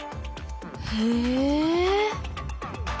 へえ。